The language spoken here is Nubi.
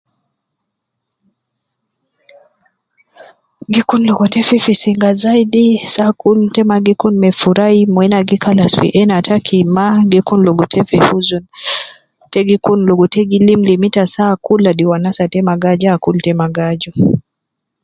Gi kun ligo te fi fi singa zaidi, saa kul ta ma gi kun me furai, moyo ena gi kalas fi ena taki ma, gi kun ligo te fi huzun, te gi kun ligo te gi lim lim ita saa kul, ladi wanasa ta ma gi aju akul ta ma gi aju